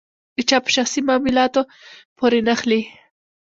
د چا په شخصي معاملاتو پورې نښلي.